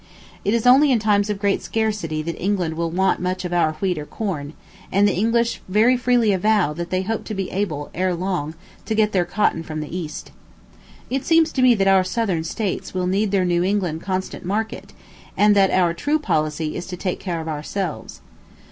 It is only in times of great scarcity that England will want much of our wheat or corn; and the English very freely avow that they hope to be able, ere long, to get their cotton from the East. It seems to me that our Southern States will need their New England constant market, and that our true policy is to take care of ourselves.